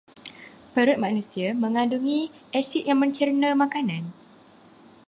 Perut manusia megandungi asid yang mencerna makanan.